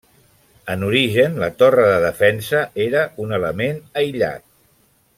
En origen, la torre de defensa era un element aïllat.